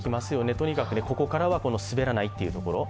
とにかくここからは滑らないというところ。